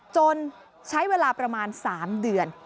ใช้เวลาประมาณ๓เดือน